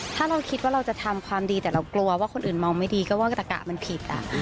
ถ้าเราคิดว่าเราจะทำความดีแต่เรากลัวว่าคนอื่นมองไม่ดีก็ว่ากระตะกะมันผิด